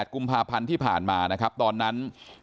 กุมภาพันธ์ที่ผ่านมานะครับตอนนั้น